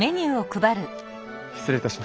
失礼いたします。